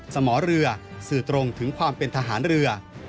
สมอเรือสื่อตรงถึงความเป็นทหารเรือ